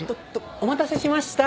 お待たせしました。